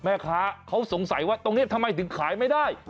แม่ค้าเขาสงสัยว่าตรงนี้ทำไมถึงขายไม่ได้